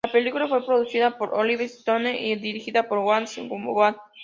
La película fue producida por Oliver Stone y dirigida por Wayne Wang.